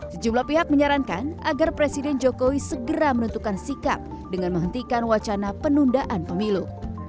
sejumlah pihak menyarankan agar presiden jokowi segera menentukan sikap dengan menghentikan wacana penundaan pemilu